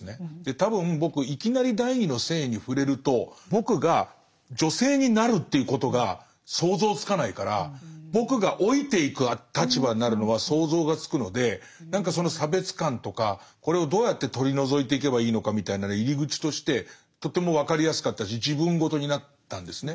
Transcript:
多分僕いきなり「第二の性」に触れると僕が女性になるっていうことが想像つかないから僕が老いていく立場になるのは想像がつくので何かその差別感とかこれをどうやって取り除いていけばいいのかみたいな入り口としてとても分かりやすかったし自分ごとになったんですね。